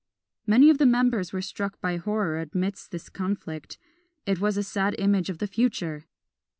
Many of the members were struck by horror amidst this conflict, it was a sad image of the future!